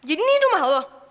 ini rumah lo